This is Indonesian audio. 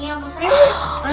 iya pak ustadz